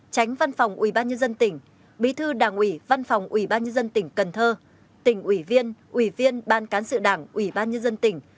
tránh văn phòng ủy ban nhân dân tỉnh bí thư đảng ủy văn phòng ủy ban nhân dân tỉnh cần thơ tỉnh ủy viên ủy viên ban cán sự đảng ủy ban nhân dân tỉnh